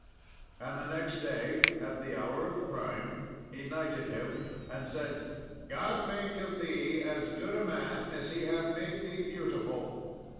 And the next day at the hour of prime, he knighted him, and said, "God make of thee as good a man as He hath made thee beautiful."